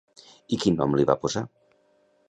I quin nom li va posar?